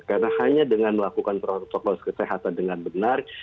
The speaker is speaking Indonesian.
karena hanya dengan melakukan protokol kesehatan dengan benar